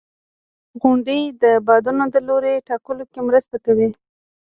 • غونډۍ د بادونو د لوري ټاکلو کې مرسته کوي.